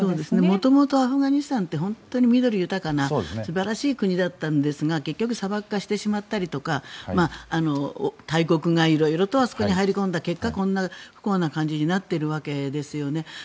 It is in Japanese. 元々アフガニスタンって緑豊かな素晴らしい国だったんですが結局、砂漠化してしまったりとか大国が色々とあそこに入り込んだ結果不幸な感じになっているわけですよね。